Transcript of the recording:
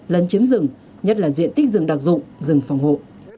lấn chiếm rừng nhất là diện tích rừng đặc dụng rừng phòng hộ